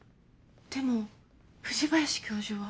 でも藤林教授は。